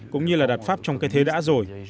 cũng như là đặt pháp trong cái thế đã rồi